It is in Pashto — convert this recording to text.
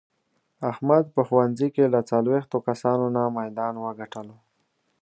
احمد په ښوونځې کې له څلوېښتو کسانو نه میدان و ګټلو.